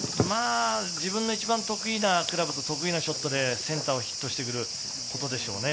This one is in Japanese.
自分の一番得意なクラブ、得意なショットでセンターをヒットしてくることでしょうね。